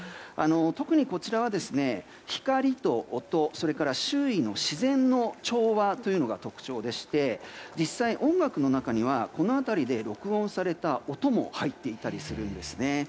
特にこちらは、光と音周囲の自然の調和というのが特徴でして、実際音楽の中にはこの辺りで録音された音も入っていたりするんですね。